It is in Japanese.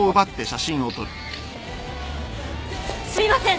すみません。